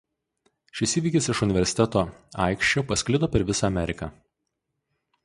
Šis įvykis iš universiteto aikščių pasklido per visą Ameriką.